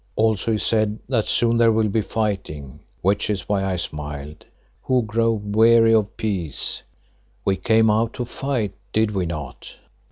Also he said that soon there will be fighting, which is why I smiled, who grow weary of peace. We came out to fight, did we not?"